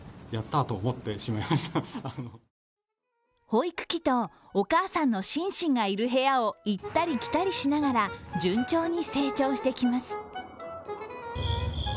保育器とお母さんのシンシンがいる部屋を行ったり来たりしながら順調に成長してきます。